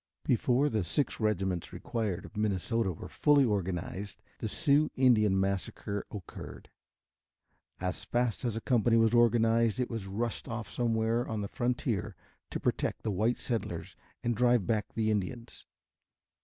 Before the six regiments required of Minnesota were fully organized the Sioux Indian massacre occurred. As fast as a company was organized it was rushed off somewhere on the frontier to protect the white settlers and drive back the Indians.